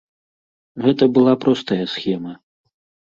Гэта была простая схема.